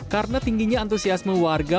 karena tingginya antusiasme warga